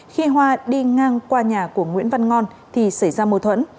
khi hoa đi ngang qua nhà của nguyễn văn ngon thì xảy ra mâu thuẫn